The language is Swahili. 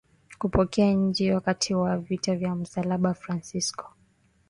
kupokea Injili Wakati wa vita vya msalaba Fransisko